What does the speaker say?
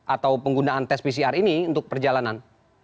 atau penggunaan tes pcr ini untuk perjalanan